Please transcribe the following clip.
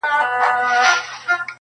اوس د شپې نکلونه دي پېیلي په اغزیو-